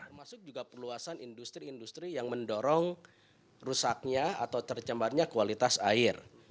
termasuk juga perluasan industri industri yang mendorong rusaknya atau tercemarnya kualitas air